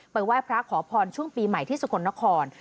ไหว้พระขอพรช่วงปีใหม่ที่สกลนคร